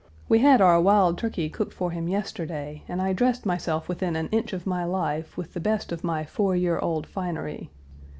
We had our wild turkey cooked for him yesterday, and I dressed myself within an inch of my life with the best of my four year old finery.